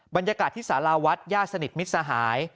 บรรยากาศที่สาราวัดญาติสนิทมิตรสหาย